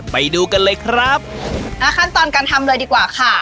ไปดูกันเลยครับอ่าขั้นตอนการทำเลยดีกว่าค่ะ